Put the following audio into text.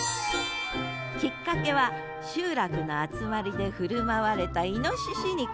きっかけは集落の集まりで振る舞われたいのしし肉。